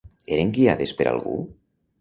Eren guiades per algú?